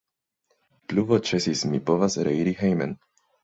Pluvo ĉesis, mi povas reiri hejmen.